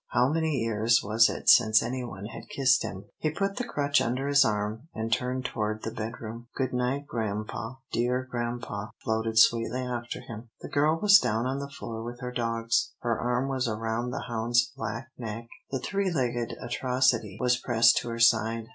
How many years was it since any one had kissed him? He put the crutch under his arm, and turned toward the bedroom. "Good night, grampa, dear grampa," floated sweetly after him. The girl was down on the floor with her dogs, her arm was around the hound's black neck, the three legged atrocity was pressed to her side.